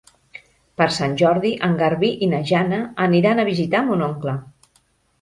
Per Sant Jordi en Garbí i na Jana aniran a visitar mon oncle.